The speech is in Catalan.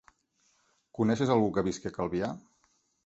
Coneixes algú que visqui a Calvià?